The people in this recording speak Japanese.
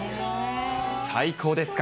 最高ですか。